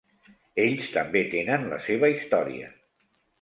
Ells també tenen la seva història.